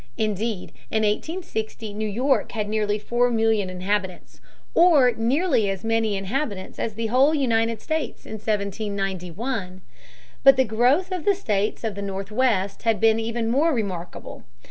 Indeed, in 1860 New York had nearly four million inhabitants, or nearly as many inhabitants as the whole United States in 1791 (p. 156). But the growth of the states of the Northwest had been even more remarkable.